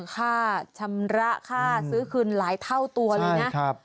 ค่าชำระค่าซื้อคืนหลายเท่าตัวเลยนะ